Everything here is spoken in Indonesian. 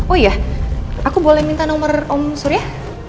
oh iya aku boleh minta nomor om surya